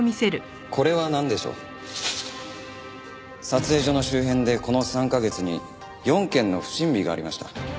撮影所の周辺でこの３カ月に４件の不審火がありました。